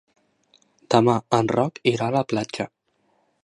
Demà en Roc irà a la platja.